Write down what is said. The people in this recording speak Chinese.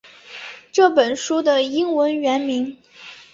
这本书的英文原名